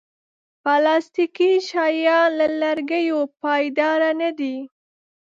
پلاستيکي شیان له لرګیو پایداره نه دي.